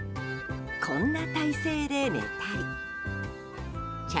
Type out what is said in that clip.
こんな体勢で寝たり茶